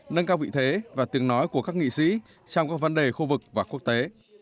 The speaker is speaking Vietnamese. nâng cao vị thế và tiếng nói của các nghị sĩ trong các vấn đề khu vực và quốc tế